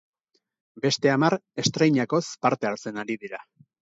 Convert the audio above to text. Beste hamar estreinakoz parte hartzen ari dira.